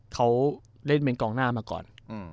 เขาเล่นเป็นกองหน้ามาก่อน